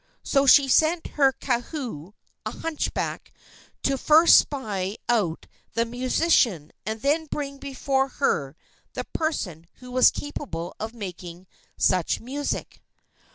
So she sent her kahu, a hunchback, to first spy out the musician, and then bring before her the person who was capable of making such music.